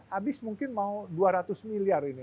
habis mungkin mau dua ratus miliar ini